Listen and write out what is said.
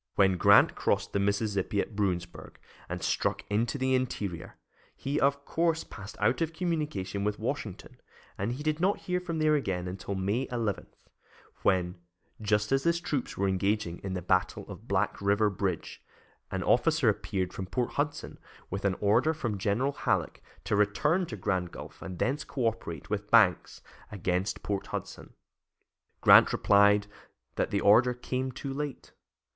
When Grant crossed the Mississippi at Bruinsburg and struck into the interior, he, of course, passed out of communication with Washington, and he did not hear from there again until May 11, when, just as his troops were engaging in the battle of Black River Bridge, an officer appeared from Port Hudson with an order from General Halleck to return to Grand Gulf and thence cooperate with Banks against Port Hudson. Grant replied that the order came too late.